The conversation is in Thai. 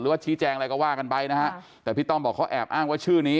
ชี้แจงอะไรก็ว่ากันไปนะฮะแต่พี่ต้อมบอกเขาแอบอ้างว่าชื่อนี้